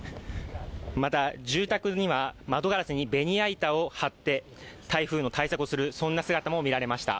また、住宅には窓ガラスにベニヤ板を張って、台風の対策をする姿も見られました。